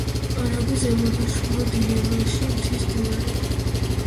არაგვი ზემო და შუა დინებაში მთის მდინარეა.